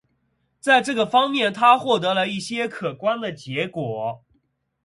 在这个方面他获得了一些可观的结果。